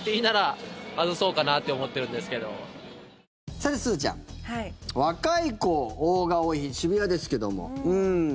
さて、すずちゃん若い子が多い渋谷ですけども。